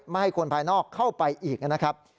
ไม่ให้คนภายนอกเข้าไปอีกนะครับ